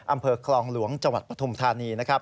อำเภอคลองหลวงจปฐมธานี